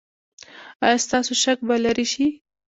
ایا ستاسو شک به لرې شي؟